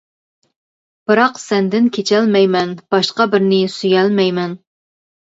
بىراق سەندىن كېچەلمەيمەن، باشقا بىرنى سۆيەلمەيمەن.